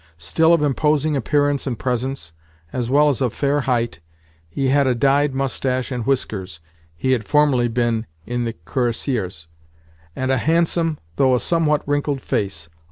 Still of imposing appearance and presence, as well as of fair height, he had a dyed moustache and whiskers (he had formerly been in the cuirassiers), and a handsome, though a somewhat wrinkled, face.